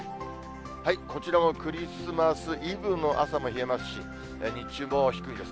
こちらもクリスマスイブの朝も冷えますし、日中も低いです。